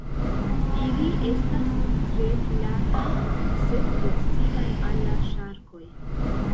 Ili estas tre plataj sed proksimaj al la ŝarkoj.